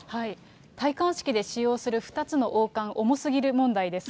戴冠式で使用する２つの王冠、重すぎる問題です。